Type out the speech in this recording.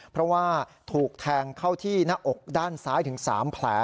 เพราะว่าถูกแทงเข้าที่หน้าอกด้านซ้ายถึง๓แผล